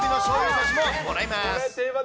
さしももらえます。